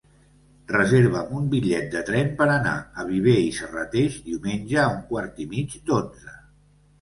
Reserva'm un bitllet de tren per anar a Viver i Serrateix diumenge a un quart i mig d'onze.